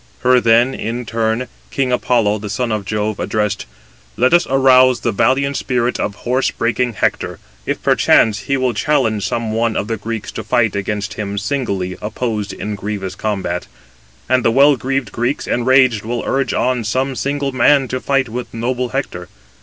Her then in turn king Apollo, the son of Jove, addressed: "Let us arouse the valiant spirit of horse breaking Hector, if perchance he will challenge some one of the Greeks to fight against him singly opposed in grievous combat. And the well greaved Greeks enraged will urge on some single man to fight with noble Hector."